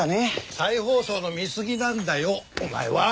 再放送の見すぎなんだよお前は！